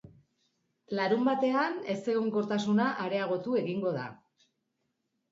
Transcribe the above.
Larunbatean ezegonkortasuna areagotu egingo da.